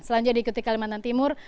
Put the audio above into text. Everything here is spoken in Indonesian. selanjutnya diikuti kalimantan timur